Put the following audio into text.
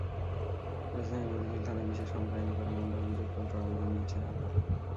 রাজধানীর মতিঝিল থানায় বিশেষ ক্ষমতা আইনে করা মামলার অভিযোগপত্র আমলে নিয়েছেন আদালত।